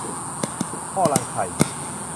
ท่อรังไข่